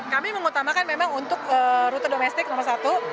kami mengutamakan memang untuk rute domestik nomor satu